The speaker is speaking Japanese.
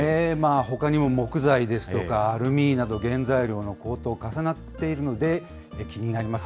ほかにも木材ですとかアルミなど、原材料の高騰、重なっているので、気になります。